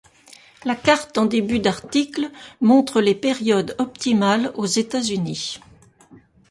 La carte en début d'article montre les périodes optimales aux États-Unis.